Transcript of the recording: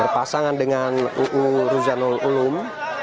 ridwan kamil uu rizalul ulum